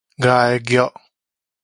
礙虐